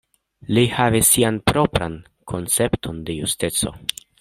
Li havis sian propran koncepton de justeco.